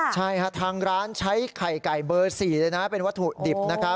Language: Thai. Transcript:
ใช่ทางร้านใช้ไข่ไก่เบอร์๔เป็นวัตถุดิบ